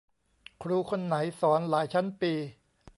ครูคนไหนสอนหลายชั้นปี